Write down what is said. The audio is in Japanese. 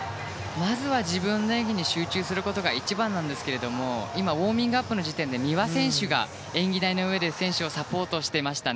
まずは自分の演技に集中することが一番なんですけども今ウォーミングアップの時点で三輪選手が、演技台の上で選手をサポートしていました。